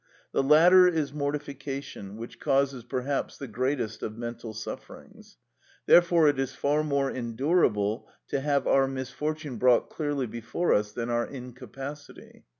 The latter is mortification, which causes perhaps the greatest of mental sufferings; therefore it is far more endurable to have our misfortune brought clearly before us than our incapacity.